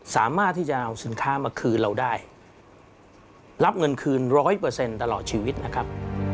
สามารถที่จะเอาสินค้ามาคืนเราได้รับเงินคืน๑๐๐ตลอดชีวิตนะครับ